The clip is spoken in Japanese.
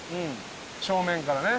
正面からね。